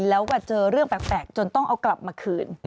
แล้วก็เจอเรื่องแปลกจนต้องเอากลับมาคืน